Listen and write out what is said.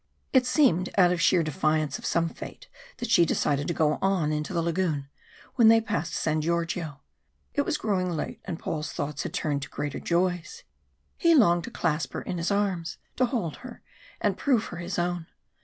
It seemed out of sheer defiance of some fate that she decided to go on into the lagoon when they passed San Georgio. It was growing late, and Paul's thoughts had turned to greater joys. He longed to clasp her in his arms, to hold her, and prove her his own.